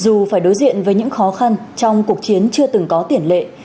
dù phải đối diện với những khó khăn trong cuộc chiến chưa từng có tiền lệ